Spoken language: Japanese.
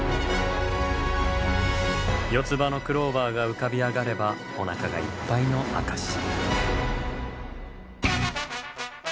４つ葉のクローバーが浮かび上がればおなかがいっぱいの証し。